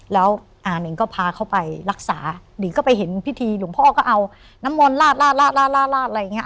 แล้วอ่านิงก็พาเขาไปรักษาหนิงก็ไปเห็นพิธีหลวงพ่อก็เอาน้ำมนต์ลาดลาดลาดลาดอะไรอย่างเงี้